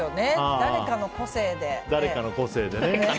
誰かの個性で。